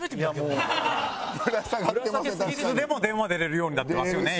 いつでも電話出れるようになってますよね